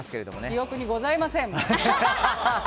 記憶にございません、もう。